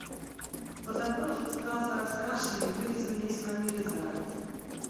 По забору спускался раскрашенный, вырезанный из фанеры заяц.